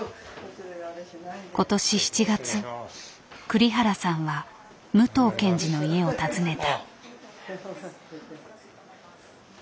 今年７月栗原さんは武藤検事の家を訪ねた。